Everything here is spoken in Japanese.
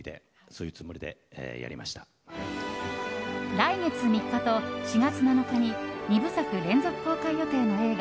来月３日と４月７日に２部作連続公開予定の映画